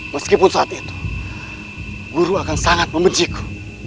meskipun saat itu guru akan sangat membenciku